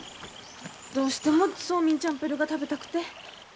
どうしてもソーミンチャンプルーが食べたくて。